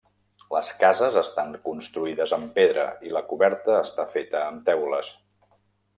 Les cases estan construïdes amb pedra, i la coberta està feta amb teules.